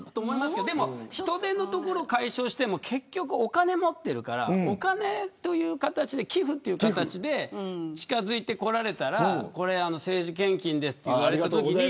人手のところ解消しても結局お金持ってるからお金という形で寄付という形で近づいてこられたらこれ、政治献金ですって言われたときに。